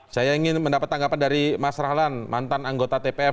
saya ingin mendapat tanggapan dari mas rahlan mantan anggota tpf